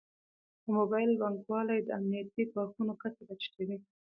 د موبایل بانکوالي د امنیتي ګواښونو کچه راټیټوي.